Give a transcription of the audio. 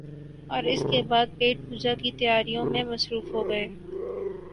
اوراس کے بعد پیٹ پوجا کی تیاریوں میں مصروف ہو گئے ۔